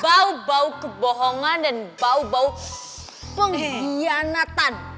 bau bau kebohongan dan bau bau pengkhianatan